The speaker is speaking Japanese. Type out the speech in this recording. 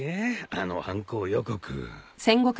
あの犯行予告。